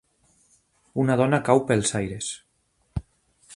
Una dona cau pels aires.